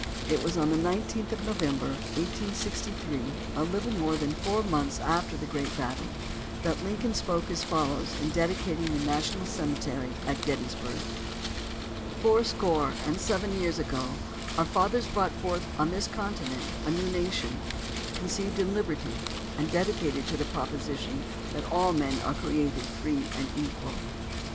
It was on the 19th of November, 1863, a little more than four months after the great battle, that Lincoln spoke as follows in dedicating the National Cemetery at Gettysburg: Fourscore and seven years ago our fathers brought forth on this continent a new nation, conceived in liberty, and dedicated to the proposition that all men are created free and equal.